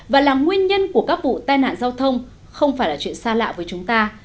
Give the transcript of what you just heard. và là nguyên nhân của các vụ tai nạn giao thông không phải là chuyện xa lạ với chúng ta